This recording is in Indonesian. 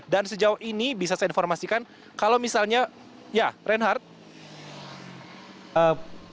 dan sejauh ini bisa saya informasikan kalau misalnya ya reinhardt